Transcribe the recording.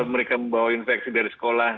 mereka membawa infeksi dari sekolah